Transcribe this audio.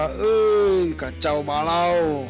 wuih kacau malau